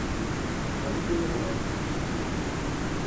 Ɣli-d ay adrar fell-i!